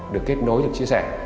được kết nối được chia sẻ